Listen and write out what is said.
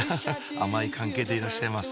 甘い関係でいらっしゃいます？